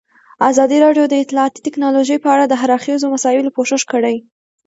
ازادي راډیو د اطلاعاتی تکنالوژي په اړه د هر اړخیزو مسایلو پوښښ کړی.